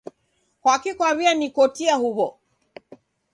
Kwakii kwaw'enikotia huwo?